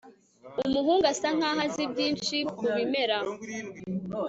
Umuhungu asa nkaho azi byinshi kubimera